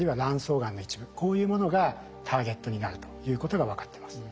こういうものがターゲットになるということが分かってます。